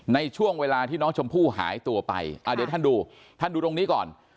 ในช่วงเวลาที่น้องชมพู่หายตัวไปอ่าเดี๋ยวท่านดูท่านดูตรงนี้ก่อน